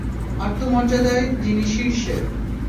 আত্মমর্যাদায় যিনি শীর্ষে।